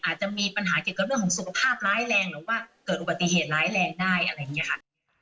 อาจจะมีปัญหาเกี่ยวกับเรื่องของสุขภาพร้ายแรงหรือว่าเกิดอุบัติเหตุร้ายแรงได้อะไรอย่างนี้ค่ะ